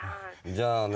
じゃあね。